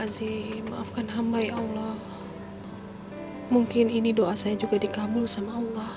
sampai jumpa di video selanjutnya